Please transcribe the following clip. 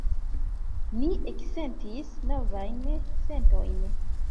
Ni eksentis novajn sentojn.